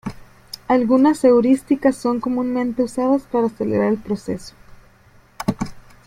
Algunas heurísticas son comúnmente usadas para acelerar el proceso.